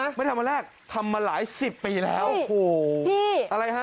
ไม่ได้ทำวันแรกทำมาหลายสิบปีแล้วโอ้โหนี่อะไรฮะ